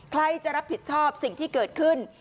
ใครจะรับผิดชอบสิ่งที่เกิดขึ้น